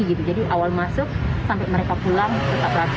jadi awal masuk sampai mereka pulang tetap rapi